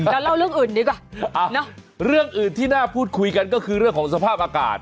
เราเล่าเรื่องอื่นดีกว่าเรื่องอื่นที่น่าพูดคุยกันก็คือเรื่องของสภาพอากาศ